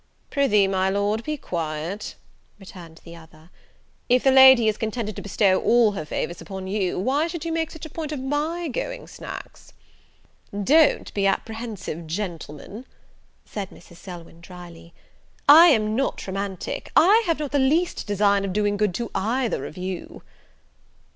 "Prithee, my Lord, be quiet," returned the other; "if the lady is contented to bestow all her favours upon you, why should you make such a point of my going snacks?" "Don't be apprehensive, gentlemen," said Mrs. Selwyn, drily, "I am not romantic; I have not the least design of doing good to either of you."